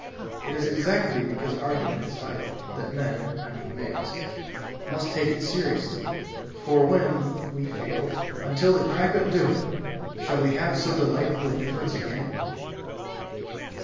It is exactly because argument is idle that men (I mean males) must take it seriously; for when (we feel), until the crack of doom, shall we have so delightful a difference again?